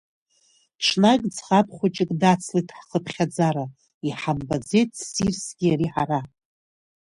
Ҽнак зӷаб хәҷык дацлеит ҳхыԥхьаӡара, иҳамбаӡеит ссирсгьы ари ҳара.